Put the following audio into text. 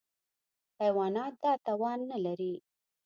حیوانات دا توان نهلري.